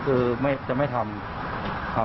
ก็คือจะไม่ทำ